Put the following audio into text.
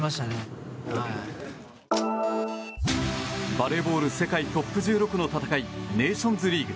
バレーボール世界トップ１６の戦いネーションズリーグ。